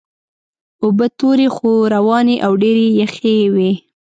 اوبه تورې خو روانې او ډېرې یخې وې.